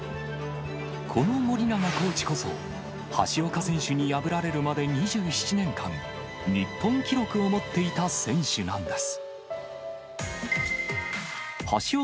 この森長コーチこそ、橋岡選手に破られるまで２７年間、日本記録を持っていた選手なんです。